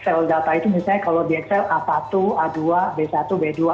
sel data itu misalnya kalau di excel a satu a dua b satu b dua